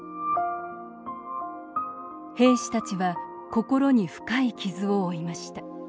兵士たちは心に深い傷を負いました。